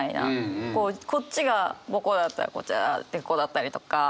こっちがこうだったらこっちがこうだったりとか。